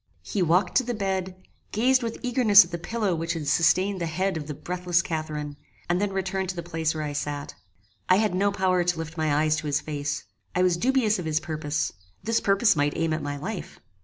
He walked to the bed, gazed with eagerness at the pillow which had sustained the head of the breathless Catharine, and then returned to the place where I sat. I had no power to lift my eyes to his face: I was dubious of his purpose: this purpose might aim at my life.